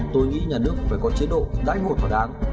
tôi nghĩ nhà nước phải có chế độ đại ngộ thỏa đáng